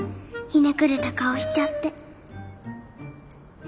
ひねくれた顔しちゃって。